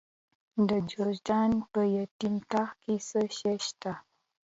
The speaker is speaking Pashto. د جوزجان په یتیم تاغ کې څه شی شته؟